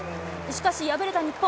しかし、敗れた日本。